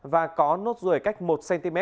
và có nốt rùi cách một cm